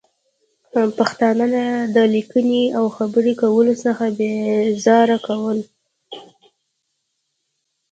پښتانه د لیکنې او خبرې کولو څخه بې زاره کول